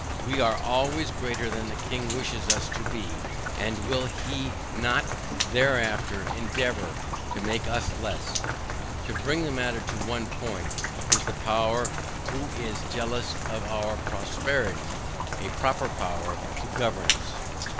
We are already greater than the king wishes us to be, and will he not hereafter endeavour to make us less? To bring the matter to one point. Is the power who is jealous of our prosperity, a proper power to govern us?